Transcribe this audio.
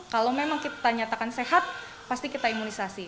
kalau memang kita nyatakan sehat pasti kita imunisasi